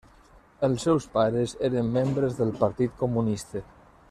Els seus pares eren membres del partit comunista.